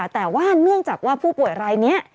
แต่ว่าเนื่องจากว่าผู้ป่วยรายนี้